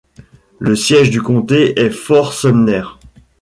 Le siège du comté est Fort Sumner.